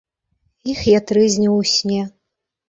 Іх я трызніў у сне.